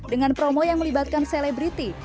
dengan promo yang melibatkan selebriti